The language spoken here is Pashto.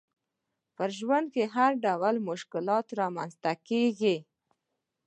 په ژوند کي هرډول مشکلات رامنځته کیږي